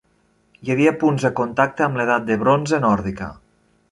Hi havia punts de contacte amb l'Edat de Bronze nòrdica.